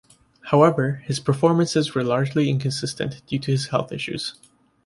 However, his performances were largely inconsistent due to his health issues.